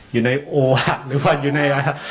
อยู่โอหะหรือว่าอยู่ในอะไร